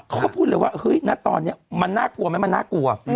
เขาพูดเลยว่าเฮ้ยณตอนนี้มันน่ากลัวไหมมันน่ากลัว